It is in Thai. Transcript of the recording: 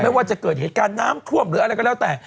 ว่าจะเกิดเหตุการณ์น้ำท่วมหรืออะไรก็แล้วแต่